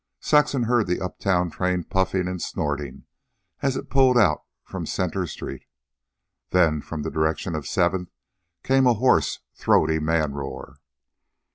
Saxon heard the uptown train puffing and snorting as it pulled out from Center Street. Then, from the direction of Seventh, came a hoarse, throaty manroar.